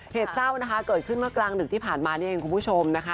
เหตุเศร้านะคะเกิดขึ้นเมื่อกลางดึกที่ผ่านมานี่เองคุณผู้ชมนะคะ